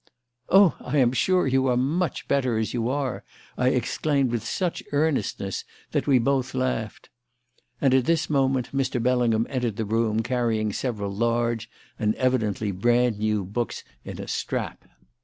"Oh, I am sure you are much better as you are!" I exclaimed, with such earnestness that we both laughed. And at this moment Mr. Bellingham entered the room carrying several large and evidently brand new books in a strap.